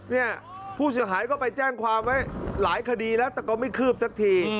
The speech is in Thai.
เนี่ยผู้เสียหายก็ไปแจ้งความไว้หลายคดีแล้วแต่ก็ไม่คืบสักที